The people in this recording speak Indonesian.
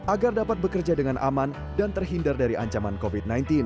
agar dapat bekerja dengan aman dan terhindar dari ancaman covid sembilan belas